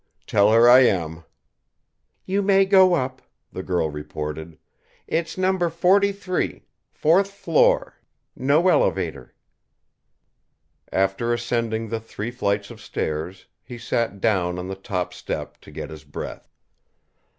"Tell her I am." "You may go up," the girl reported. "It's Number Forty three, fourth floor no elevator." After ascending the three flights of stairs, he sat down on the top step, to get his breath. Mr.